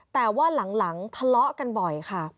แต่ว่าหลังทะเลาะกันบ่อยค่ะ